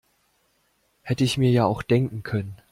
Hätte ich mir ja auch denken können.